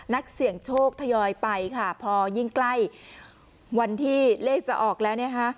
นักเสี่ยงโชคทยอยไปค่ะพอยิ่งใกล้วันที่เลขจะออกแล้วนะคะ